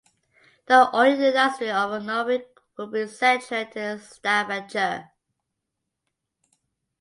The oil industry of Norway would be centred in Stavanger.